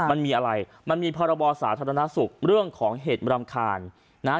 มันมีอะไรมันมีพรบสาธารณสุขเรื่องของเหตุรำคาญนะฮะ